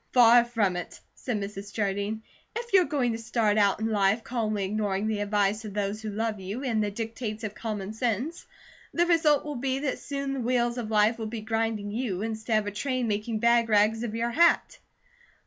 "Far from it!" said Mrs. Jardine. "If you're going to start out in life, calmly ignoring the advice of those who love you, and the dictates of common sense, the result will be that soon the wheels of life will be grinding you, instead of a train making bag rags of your hat."